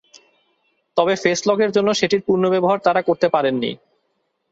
তবে face lock এর জন্য সেটির পূর্ণ ব্যবহার তারা করতে পারেন নি।